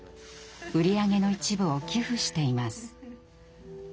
売り上げの一部を寄付しています。